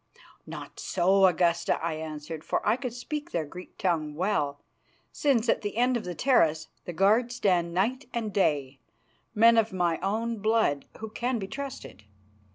"Not so, Augusta," I answered, for I could speak their Greek tongue well; "since at the end of the terrace the guards stand night and day, men of my own blood who can be trusted.